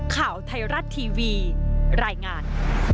ข่าวไทยรัฐทีวีรายงาน